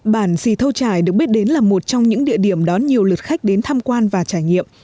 bản xì thâu trải được biết đến là một trong những địa điểm đón nhiều lượt khách đến tham quan và trải nghiệm